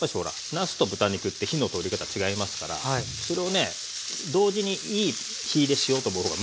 なすと豚肉って火の通り方違いますからそれをね同時にいい火入れしようと思う方が難しいわけですよね。